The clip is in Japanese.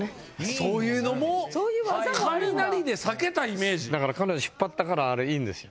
そういうのも雷で裂けたイメージだから彼女引っ張ったからいいんですよ